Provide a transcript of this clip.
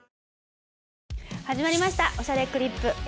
始まりました『おしゃれクリップ』。